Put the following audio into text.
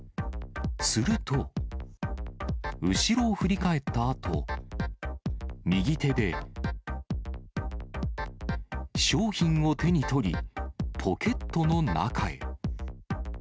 すると、後ろを振り返ったあと、右手で、商品を手に取り、ポケットの中へ。